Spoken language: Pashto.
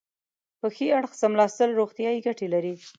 په ښي اړخ څملاستل روغتیایي ګټې لري.